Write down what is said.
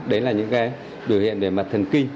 đấy là những biểu hiện về mặt thần kinh